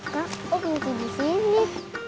pak kok minta di sini